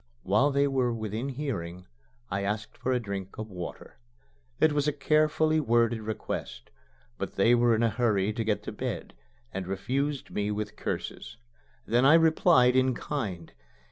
While they were within hearing, I asked for a drink of water. It was a carefully worded request. But they were in a hurry to get to bed, and refused me with curses. Then I replied in kind.